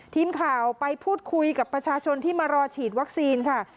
ทีมข่าวไปพูดคุยกับประชาชนที่มารอฉีดวัคซีนค่ะ